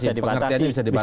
pengertiannya bisa dibatasi